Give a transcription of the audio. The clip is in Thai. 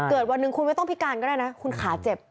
วันหนึ่งคุณไม่ต้องพิการก็ได้นะคุณขาเจ็บ